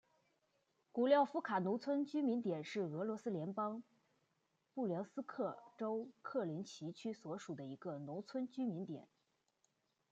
古廖夫卡农村居民点是俄罗斯联邦布良斯克州克林齐区所属的一个农村居民点。